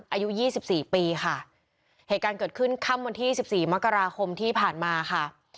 อายุยี่สิบสี่ปีค่ะเหตุการณ์เกิดขึ้นค่ำวันที่สิบสี่มกราคมที่ผ่านมาค่ะ